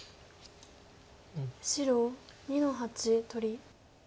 白２の八取り。